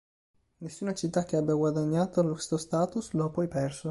Nessuna città che abbia guadagnato questo status, lo ha poi perso.